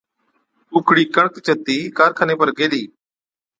ڪُوڪڙِي ڪڻڪ چتِي ڪارخاني پر گيلِي